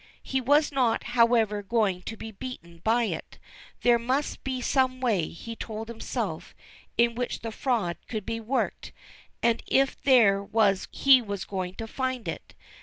He was not, however, going to be beaten by it. There must be some way, he told himself, in which the fraud could be worked, and if there was he was going to find it.